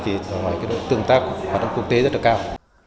thì tương tác hoạt động quốc tế rất là cao